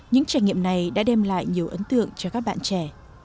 những trải nghiệm này đã đem lại nhiều ấn tượng cho các bạn trẻ